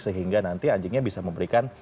sehingga nanti anjingnya bisa memberikan